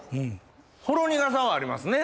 ほろ苦さはありますね